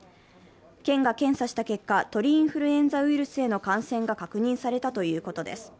県が検査した結果鳥インフルエンザウイルスへの感染が確認されたということです。